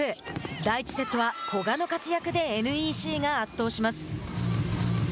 第１セットは古賀の活躍でＮＥＣが圧倒します。